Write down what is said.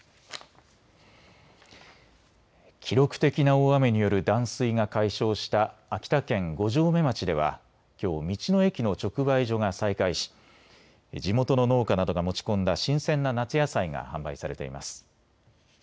記録的な大雨による断水が解消した秋田県五城目町ではきょう道の駅の直売所が再開し地元の農家などが持ち込んだ新鮮な夏野菜が販売されています。